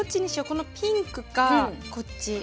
このピンクかこっち。